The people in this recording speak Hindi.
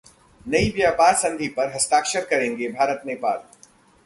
नई व्यापार संधि पर हस्ताक्षर करेंगे भारत-नेपाल